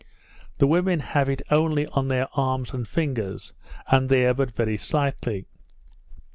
The women have it only on their arms and fingers; and there but very slightly.